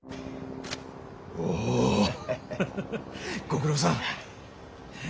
ご苦労さん。